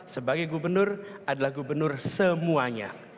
sebagai gubernur adalah gubernur semuanya